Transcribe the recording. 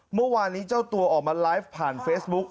เมื่อวานนี้เจ้าตัวออกมาไลฟ์ผ่านเฟซบุ๊ก